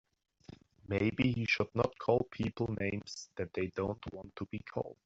Maybe he should not call people names that they don't want to be called.